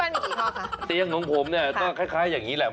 อ้าเดี๋ยวที่บ้านมีกี่ข้อ